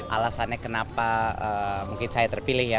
alasannya kenapa mungkin saya terpilih ya